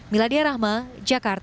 miladia rahma jakarta